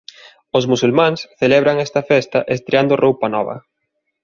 Os musulmáns celebran esta festa estreando roupa nova.